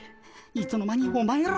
いつの間にお前ら。